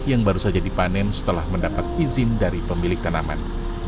yang baru saja dipanen setelah mendapat izin dari pemilik tanaman